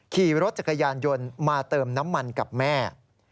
ขี่รถจักรยานยนต์มาเติมน้ำมันกับแม่